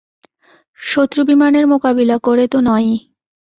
শত্রু বিমানের মোকাবিলা করে তো নয়ই।